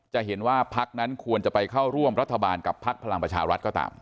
จะเห็นว่าพักนั้นควรจะไปเข้าร่วมรัฐบาลกับพักพลังประชารัฐก็ตาม